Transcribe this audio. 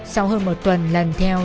sau hơn một tuần lần theo